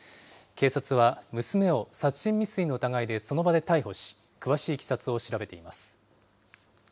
警察は、娘を殺人未遂の疑いでその場で逮捕し、詳しいいきさつを調べています。